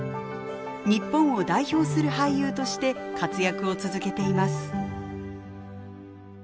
日本を代表する俳優として活躍を続けています